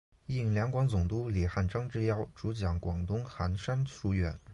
应两广总督李瀚章之邀主讲广东韩山书院。